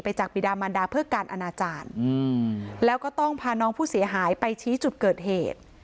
จากบิดามันดาเพื่อการอนาจารย์แล้วก็ต้องพาน้องผู้เสียหายไปชี้จุดเกิดเหตุ